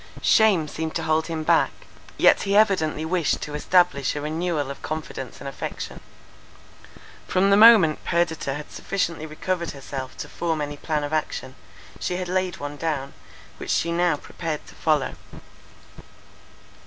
Shame seemed to hold him back; yet he evidently wished to establish a renewal of confidence and affection. From the moment Perdita had sufficiently recovered herself to form any plan of action, she had laid one down, which now she prepared to follow.